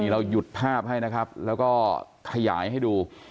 เราหยุดภาพให้นะครับแล้วก็ขยายให้ดู